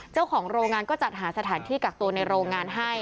เจ้าของโรงงานก็จัดหาสถานที่กักตัวในโรงงานให้